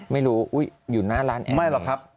ไม่รู้อยู่หน้าร้านแอบ